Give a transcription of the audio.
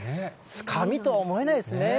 紙とは思えないですね。